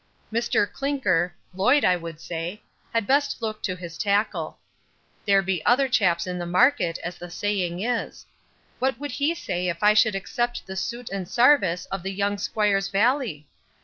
Mr Clinker (Loyd I would say) had best look to his tackle. There be other chaps in the market, as the saying is What would he say if I should except the soot and sarvice of the young squire's valley?